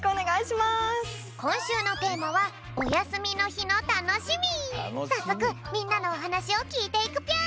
こんしゅうのテーマはさっそくみんなのおはなしをきいていくぴょん！